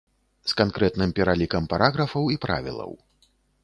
З канкрэтным пералікам параграфаў і правілаў.